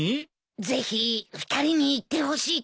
ぜひ２人に行ってほしいと思いまして。